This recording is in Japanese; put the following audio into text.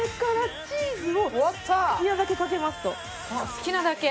好きなだけ？